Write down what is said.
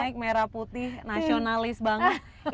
naik merah putih nasionalis banget